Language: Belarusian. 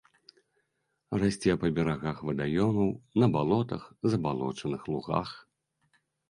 Расце па берагах вадаёмаў, на балотах, забалочаных лугах.